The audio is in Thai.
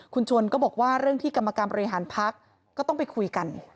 คุณชนก็บอกว่าเรื่องที่กรรมการบริหารพักก็ต้องไปคุยกัน